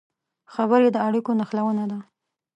خبرې د اړیکو نښلونه ده